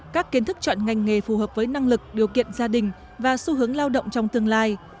các kiến thức chọn ngành nghề phù hợp với năng lực điều kiện gia đình và xu hướng lao động trong tương lai